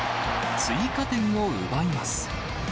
追加点を奪います。